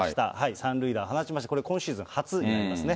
３塁打放ちまして、これ今シーズン初になりますね。